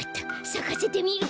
さかせてみる！